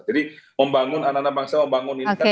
jadi membangun anak anak bangsa membangun ini kan